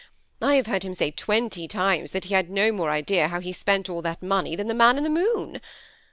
I have heard him say twenty times that he had no more idea how he spent all that money, than the man in the moon.